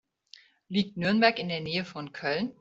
Liegt Nürnberg in der Nähe von Köln?